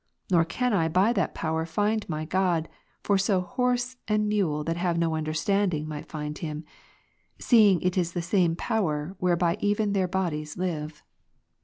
Nor can I by that power find my God; for so horse and mule that have no understanding, might find Him ; seeing it is the same power, whereby even their bodies live.